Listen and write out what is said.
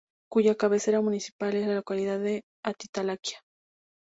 Cuya cabecera municipal es la localidad de Atitalaquia.